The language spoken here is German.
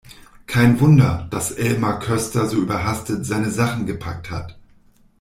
Kein Wunder, dass Elmar Köster so überhastet seine Sachen gepackt hat!